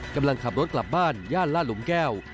กำลังขับรถกลับบ้านย่านลาดหลุมแก้ว